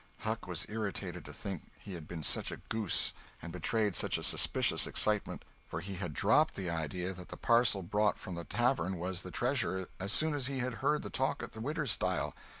Huck was irritated to think he had been such a goose and betrayed such a suspicious excitement, for he had dropped the idea that the parcel brought from the tavern was the treasure, as soon as he had heard the talk at the widow's stile.